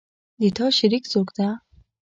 د تا شریک څوک ده